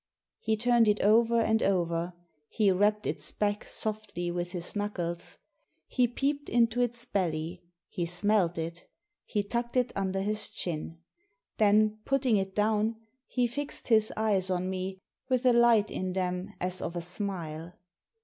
He turned it over and over; he rapped its back softly with his knuckles ; he peeped into its belly ; he smelt it ; he tucked it under his chin ; then, putting it down, he fixed his eyes on me, with a light in them as of a smile.